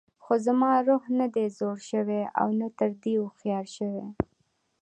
خو زما روح نه دی زوړ شوی او نه تر دې هوښیار شوی.